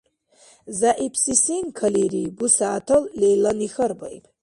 — ЗягӀипси сен калири? — бусягӀятал Лейлани хьарбаиб.